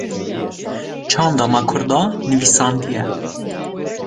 çanda me Kurda nivîsandiye